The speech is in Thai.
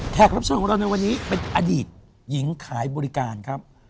รับเชิญของเราในวันนี้เป็นอดีตหญิงขายบริการครับ